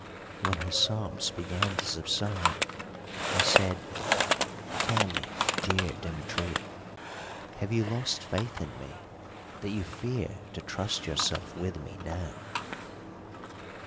When her sobs began to subside I said: "Tell me, dear Demetria, have you lost faith in me that you fear to trust yourself with me now?"